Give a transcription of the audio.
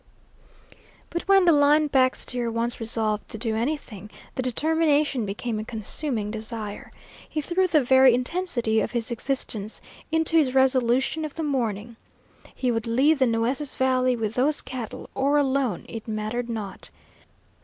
But when the line back steer once resolved to do anything, the determination became a consuming desire. He threw the very intensity of his existence into his resolution of the morning. He would leave the Nueces valley with those cattle or alone, it mattered not.